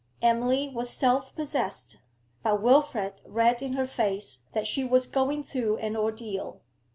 Emily was self possessed, but Wilfrid read in her face that she was going through an ordeal.